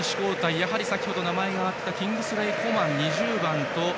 やはり先程、名前があったキングスレイ・コマン、２０番。